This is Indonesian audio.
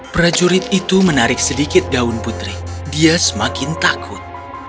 prajurit itu menarik sedikit gaun putri dia semakin takut